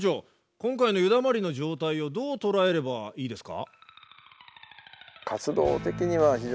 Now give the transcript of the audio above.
今回の湯だまりの状態をどう捉えればいいですか？